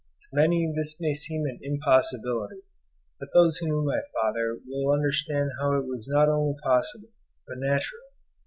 To many this may seem an impossibility; but those who knew my father will understand how it was not only possible, but natural.